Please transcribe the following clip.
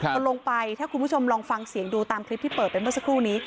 พอลงไปถ้าคุณผู้ชมลองฟังเสียงดูตามคลิปที่เปิดไปเมื่อสักครู่นี้